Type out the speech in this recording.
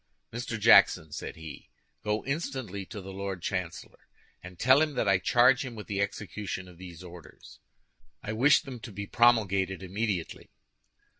"Mr. Jackson," said he, "go instantly to the Lord Chancellor, and tell him that I charge him with the execution of these orders. I wish them to be promulgated immediately."